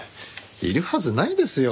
いるはずないですよ